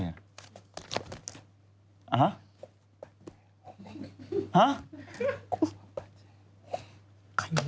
แล้วไง